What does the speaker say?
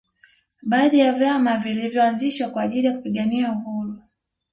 Baadhi ya vyama vilinyoanzishwa kwa ajili ya kupiganiwa uhuru